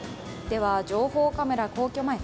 情報カメラ、皇居前。